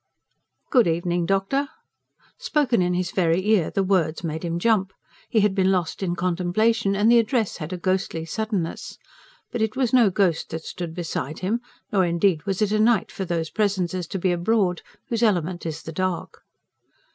"Good evening, doctor!" Spoken in his very ear, the words made him jump. He had been lost in contemplation; and the address had a ghostly suddenness. But it was no ghost that stood beside him nor indeed was it a night for those presences to be abroad whose element is the dark.